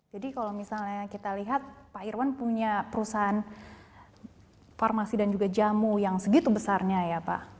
jadi kalau misalnya kita lihat pak irwan punya perusahaan farmasi dan juga jamu yang segitu besarnya ya pak